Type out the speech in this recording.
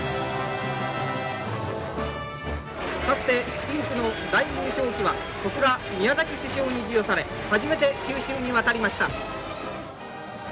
深紅の大優勝旗は小倉宮崎主将に授与され初めて九州に渡りました。